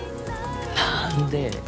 何で？